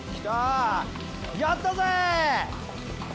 やったぜ！